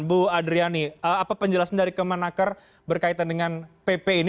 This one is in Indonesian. bu adriani apa penjelasan dari kemenaker berkaitan dengan pp ini